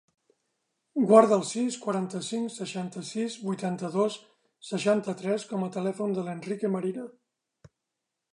Guarda el sis, quaranta-cinc, seixanta-sis, vuitanta-dos, seixanta-tres com a telèfon de l'Enrique Marina.